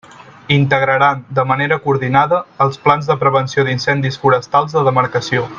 Integraran, de manera coordinada, els plans de prevenció d'incendis forestals de demarcació.